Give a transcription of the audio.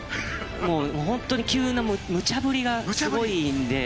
もう、本当に急なむちゃぶりがすごいんで。